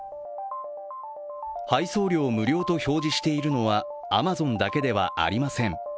配送料無料と表示しているのはアマゾンだけではありません。